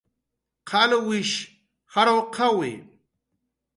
qalwishi jarwqawi